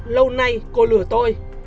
lâu nay cô lừa tôi